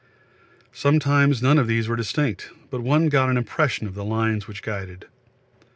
Sometimes none of these were distinct, but one got an impression of lines which guided.